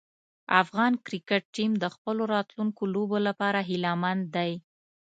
افغان کرکټ ټیم د خپلو راتلونکو لوبو لپاره هیله مند دی.